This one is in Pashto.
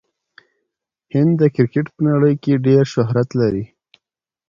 هند د کرکټ په نړۍ کښي ډېر شهرت لري.